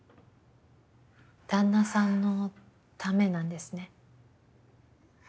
旦那さんのためなんですね。